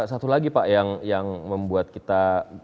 satu lagi pak yang membuat kita